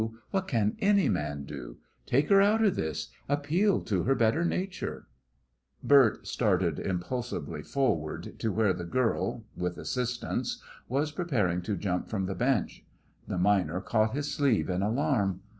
What can any man do? Take her out of this! appeal to her better nature!" Bert started impulsively forward to where the girl with assistance was preparing to jump from the bench. The miner caught his sleeve in alarm.